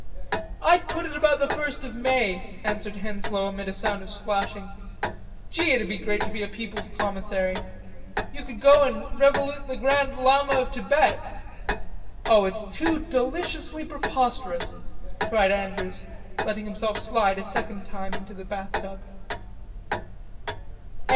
"I'd put it about the first of May," answered Henslowe, amid a sound of splashing. "Gee, it'd be great to be a people's Commissary.... You could go and revolute the grand Llama of Thibet." "O, it's too deliciously preposterous," cried Andrews, letting himself slide a second time into the bathtub.